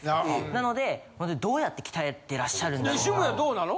なのでどうやって鍛えてらっしゃるんだろうなって。